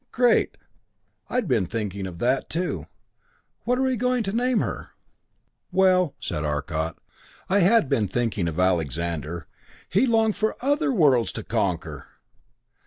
"Great I'd been thinking of that too what are we going to name her?" "Well," said Arcot, "I had been thinking of Alexander he longed for other worlds to conquer!"